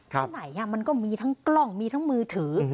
ที่ไหนมันก็มีทั้งกล้องมีทั้งมือถือ